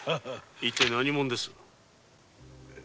一体何者です？